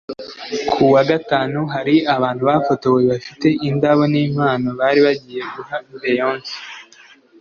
Kuwa Gatanu hari abantu bafotowe bafite indabo n’impano bari bagiye guha Beyonce